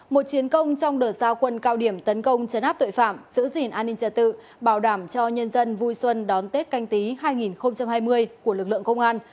một chiến công trong đợt giao quân cao điểm tấn công chấn áp tội phạm giữ gìn an ninh trật tự bảo đảm cho nhân dân vui xuân đón tết canh tí hai nghìn hai mươi của lực lượng công an